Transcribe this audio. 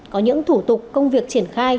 có những thủ tục công việc triển khai